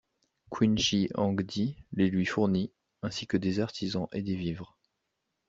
Qin Shi Huangdi les lui fournit, ainsi que des artisans et des vivres.